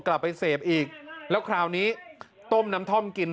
กลับไปเสพอีกแล้วคราวนี้ต้มน้ำท่อมกิน